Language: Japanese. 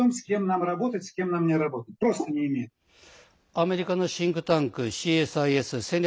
アメリカのシンクタンクＣＳＩＳ＝戦略